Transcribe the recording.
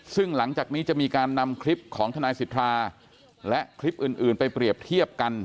ซึ่งหลังจากนี้จะมีการนำคลิปของทนายสิทธาและคลิปอื่นไปเปรียบเทียบกัน